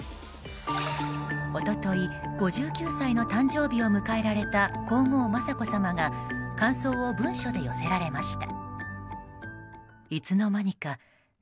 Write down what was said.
一昨日、５９歳の誕生日を迎えられた皇后・雅子さまが感想を文書で寄せられました。